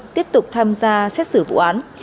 tiếp tục tham gia xét xử vụ án